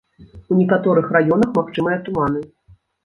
У некаторых раёнах магчымыя туманы.